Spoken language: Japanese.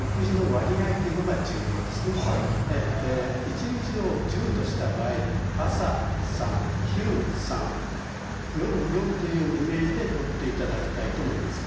一日を１０とした場合朝３昼３夜４というイメージでとっていただきたいと思います。